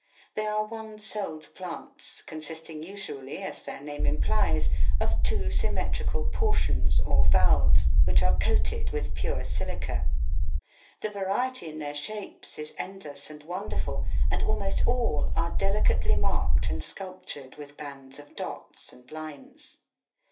They are one celled plants, consisting usually, as their name implies, of two symmetrical portions, or valves, which are coated with pure silica. The variety in their shapes is endless and wonderful, and almost all are delicately marked and sculptured with bands of dots and lines.